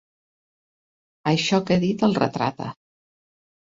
Això que ha dit el retrata.